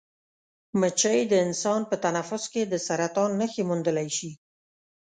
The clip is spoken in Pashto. مچۍ د انسان په تنفس کې د سرطان نښې موندلی شي.